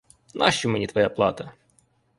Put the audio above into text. Нащо мені твоя плата?